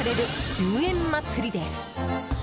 １０円まつりです。